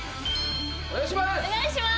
お願いします！